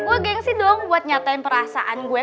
gue gengsi dong buat nyatain perasaan gue